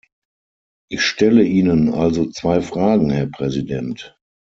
Ich stelle Ihnen also zwei Fragen, Herr Präsident.